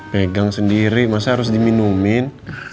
pegang sendiri maksudnya harus diminumin